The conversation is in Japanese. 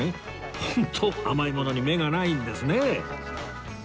本当甘いものに目がないんですね